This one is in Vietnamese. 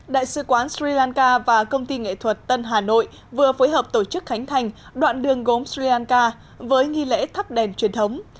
đại sứ quán sri lanka và công ty nghệ thuật tân hà nội vừa phối hợp tổ chức khánh thành đoạn đường gốm sri lanka với nghi lễ thắp đèn truyền thống